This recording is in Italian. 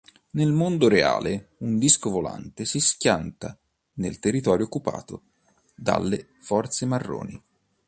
Nel Mondo Reale, un disco volante si schianta nel territorio occupato dalle forze Marroni.